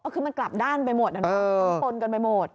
อ๋อคือมันกลับด้านไปหมดนะต้นตนกันไปหมด